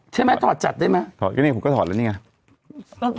ใช่ไหมถอดจัดได้ไหมถอดได้ไหมผมก็ถอดแล้วนี่ไง